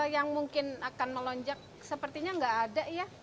yang mungkin akan melonjak sepertinya nggak ada ya